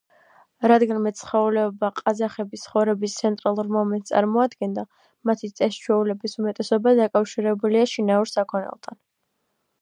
რადგან მეცხოველეობა ყაზახების ცხოვრების ცენტრალურ მომენტს წარმოადგენდა, მათი წეს-ჩვეულების უმეტესობა დაკავშირებულია შინაურ საქონელთან.